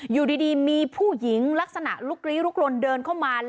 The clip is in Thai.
อยู่ดีมีผู้หญิงลักษณะลุกลี้ลุกลนเดินเข้ามา